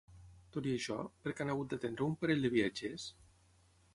Tot i això, per què han hagut d'atendre a un parell de viatgers?